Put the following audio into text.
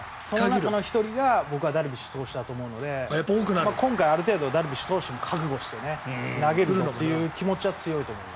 その中の１人が、僕はダルビッシュ投手だと思うので今回ある程度ダルビッシュ投手も覚悟して投げるという気持ちは強いと思います。